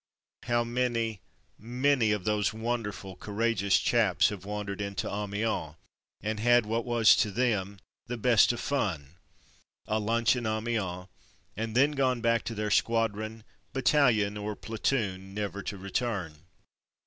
How many, many of those wonderful, courageous chaps have wandered in to Amiens and had what was to them, the best of fun — a lunch in Amiens; and then gone back to their squadron, battalion, or platoon never to return.